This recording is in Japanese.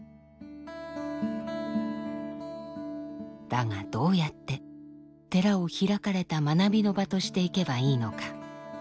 だがどうやって寺を開かれた学びの場としていけばいいのか？